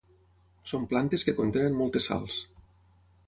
Són plantes que contenen moltes sals.